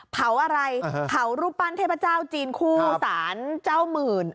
เผาอะไรเผารูปปั้นเทพเจ้าจีนคู่สารเจ้าหมื่น